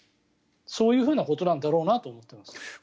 そういうふうなことなんだろうなと思っています。